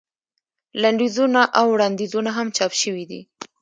لنډیزونه او وړاندیزونه هم چاپ شوي دي.